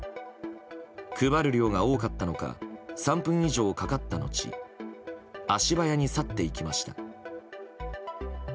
配る量が多かったのか３分以上かかったのち足早に去っていきました。